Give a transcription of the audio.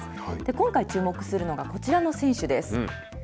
今回、注目するのがこちらの選手です。